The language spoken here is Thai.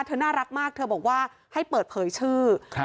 น่ารักมากเธอบอกว่าให้เปิดเผยชื่อ